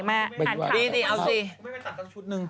ไปตัด๑ชุด